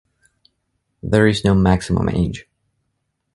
There is no maximum age.